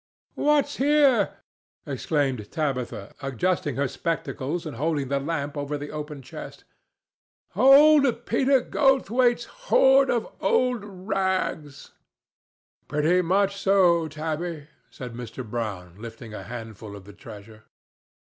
"What's here?" exclaimed Tabitha, adjusting her spectacles and holding the lamp over the open chest. "Old Peter Goldthwaite's hoard of old rags!" "Pretty much so, Tabby," said Mr. Brown, lifting a handful of the treasure.